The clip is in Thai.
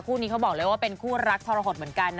คู่นี้เขาบอกเลยว่าเป็นคู่รักทรหดเหมือนกันนะ